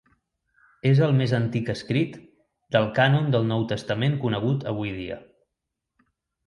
És el més antic escrit del cànon del nou testament conegut avui dia.